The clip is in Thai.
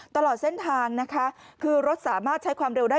ตลอดเส้นทางนะคะคือรถสามารถใช้ความเร็วได้